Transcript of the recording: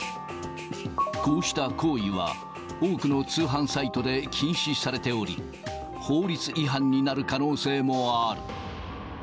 こうした行為は、多くの通販サイトで禁止されており、法律違反になる可能性もある。